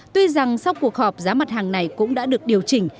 tuy rằng sau cuộc họp giá mặt hàng này cũng đã được điều chỉnh